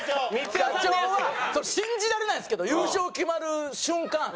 社長はちょっと信じられないですけど優勝決まる瞬間